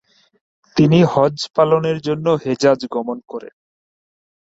তিনি হজ্জ পালনের জন্য হেজাজ গমন করেন।